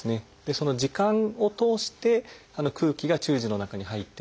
その耳管を通して空気が中耳の中に入っている。